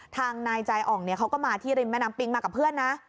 ทางนายใจอ่องเขาก็มาที่ริมแม่น้ำปิงมากับเพื่อนนะ